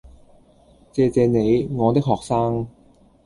謝謝你，我的學生